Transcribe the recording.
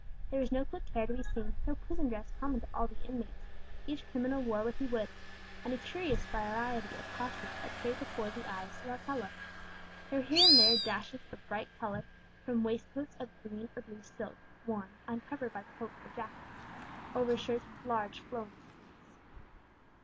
There was no clipped hair to be seen, no prison dress common to all the inmates; each criminal wore what he would, and a curious variety of costumes appeared before the eyes of Alcala. There were here and there dashes of bright colour from waistcoats of green or blue silk, worn, uncovered by coat or jacket, over shirts with large flowing sleeves.